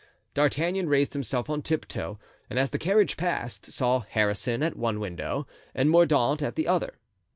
D'Artagnan raised himself on tiptoe, and as the carriage passed, saw Harrison at one window and Mordaunt at the other.